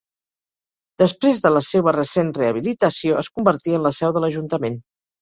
Després de la seua recent rehabilitació, es convertí en la seu de l'Ajuntament.